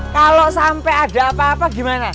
kalau sampai ada apa apa gimana